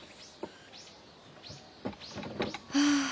はあ。